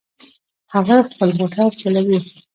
هغه خپل موټر چلوي